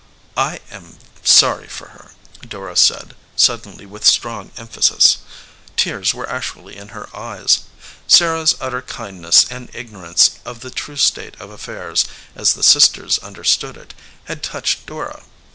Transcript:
"I am sorry for her," Dora said, suddenly, with strong emphasis. Tears were actually in her eyes. Sarah s utter kindness and ignorance of the true state of affairs, as the sisters understood it, had touched Dora.